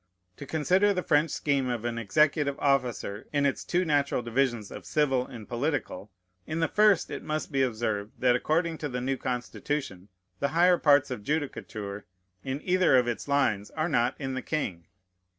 To consider the French scheme of an executive officer, in its two natural divisions of civil and political. In the first it must be observed, that, according to the new Constitution, the higher parts of judicature, in either of its lines, are not in the king.